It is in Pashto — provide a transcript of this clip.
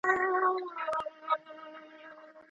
هغه وایي چې ټولنيزې شبکې نړۍ سره یو کوي.